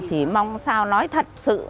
chỉ mong sao nói thật sự